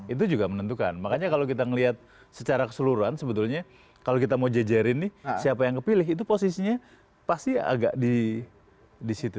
itu juga menentukan makanya kalau kita melihat secara keseluruhan sebetulnya kalau kita mau jejerin nih siapa yang kepilih itu posisinya pasti agak di situ